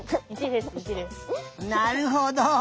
なるほど。